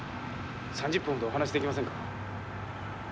３０分ほどお話しできませんか？